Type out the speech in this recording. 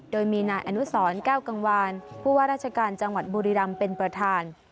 โดยมีนายอนุสรแก้วกังวานผู้ว่าราชการจังหวัดบุรีรำเป็นประธาน